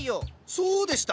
そうでした。